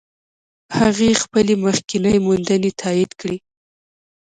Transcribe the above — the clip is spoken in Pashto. هغې خپلې مخکینۍ موندنې تایید کړې.